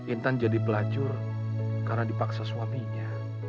intan jadi pelacur karena dipaksa suaminya